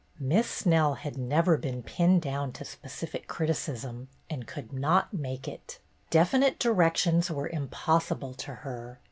Miss Snell had never been pinned down to specific criticism and could not make it. Defi nite directions were impossible to her.